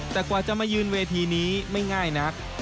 แต่กว่าจะมายืนเวทีนี้ไม่ง่ายนัก